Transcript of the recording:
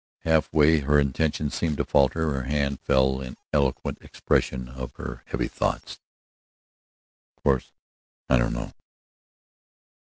Half way her intention seemed to falter; her hand fell in eloquent expression of her heavy thoughts. "Of course, I don't know."